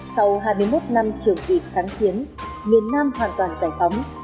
sau hai mươi một năm trường kỳ kháng chiến miền nam hoàn toàn giải phóng